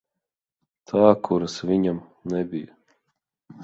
Tā, kuras viņam nebija?